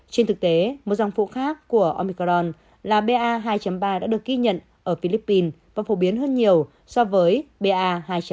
trên thực tế một dòng phụ khác của omicron là ba ba đã được ghi nhận ở philippines và phổ biến hơn nhiều so với ba hai